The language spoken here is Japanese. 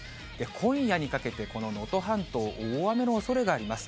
今夜にかけて、この能登半島、大雨のおそれがあります。